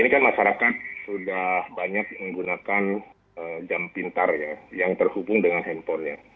ini kan masyarakat sudah banyak menggunakan jam pintar ya yang terhubung dengan handphonenya